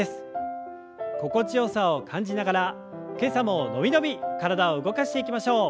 心地よさを感じながら今朝も伸び伸び体を動かしていきましょう。